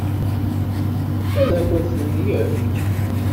Ad akent-tent-yefk?